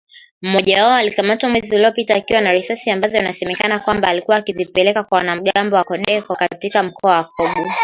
Mmoja wao alikamatwa mwezi uliopita akiwa na risasi ambazo inasemekana alikuwa akizipeleka kwa wanamgambo wa CODECO katika mkoa wa Kobu